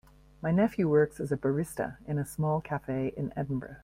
My nephew works as a barista in a small cafe in Edinburgh.